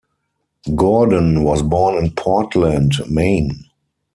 Gordon was born in Portland, Maine.